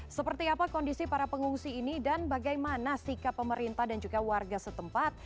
seperti apa kondisi para pengungsi ini dan bagaimana sikap pemerintah dan juga warga setempat